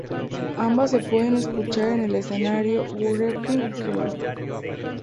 Ambas se pueden escuchar en el escenario "Wrecking Crew".